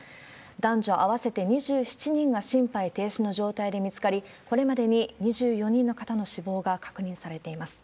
男女合わせて２７人が心肺停止の状態で見つかり、これまでに２４人の方の死亡が確認されています。